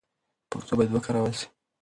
پښتو باید وکارول سي.